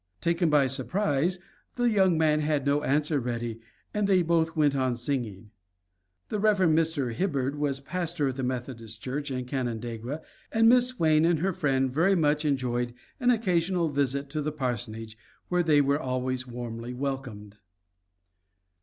Taken by surprise, the young man had no answer ready and they both went on singing." The Rev. Mr. Hibbard was pastor of the Methodist Church in Canandaigua and Miss Swain and her friend very much enjoyed an occasional visit to the parsonage, where they were always warmly welcomed.